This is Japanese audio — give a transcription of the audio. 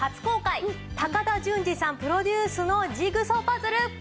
高田純次さんプロデュースのジグソーパズル